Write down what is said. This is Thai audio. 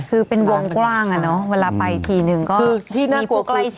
คือเป็นวงกว้างอ่ะเนอะเวลาไปทีนึงก็